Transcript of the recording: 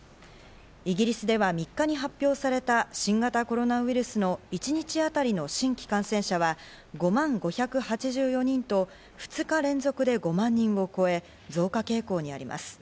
イギリスでは３日に発表された新型コロナウイルスの一日当たりの新規感染者は５万５８４人と２日連続で５万人を超え、増加傾向にあります。